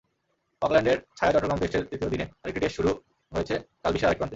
অকল্যান্ডের ছায়াচট্টগ্রাম টেস্টের তৃতীয় দিনে আরেকটি টেস্ট শুরু হয়েছে কাল বিশ্বের আরেক প্রান্তে।